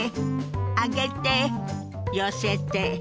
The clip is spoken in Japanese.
上げて寄せて。